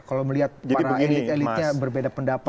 kalau melihat para elit elitnya berbeda pendapat